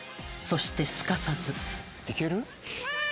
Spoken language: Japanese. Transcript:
そしてすかさず行ける？